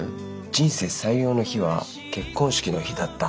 「人生最良の日は結婚式の日だった。